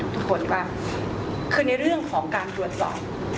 ทุกคนก็คือในเรื่องของการตรวจสอบ